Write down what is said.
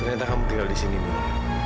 ternyata kamu tinggal di sini mbak